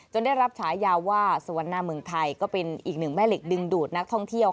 ได้รับฉายาว่าสวรรณาเมืองไทยก็เป็นอีกหนึ่งแม่เหล็กดึงดูดนักท่องเที่ยว